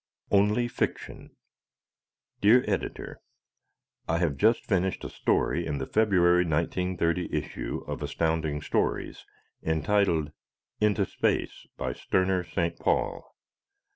Only Fiction! Dear Editor: I have just finished a story in the February, 1930, issue of Astounding Stories entitled "Into Space," by Sterner St. Paul.